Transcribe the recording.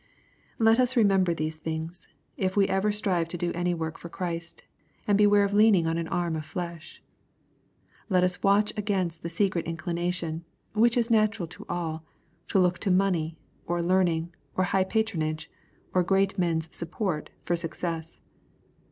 Let us remember these things, if we ever strive to do any work for Christ, and beware of leaning on an arm of flesh. Let us watch against the secret inclination, which is natural to all, to look to money, or learning, or high patronage, or great men's support, for success.